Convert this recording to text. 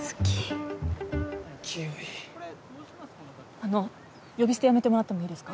あの呼び捨てやめてもらってもいいですか？